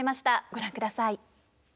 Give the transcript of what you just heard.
ご覧ください。